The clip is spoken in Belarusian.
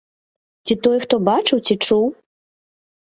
Ці тое хто бачыў ці чуў?